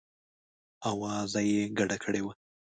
آوازه یې ګډه کړې وه.